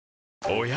おや？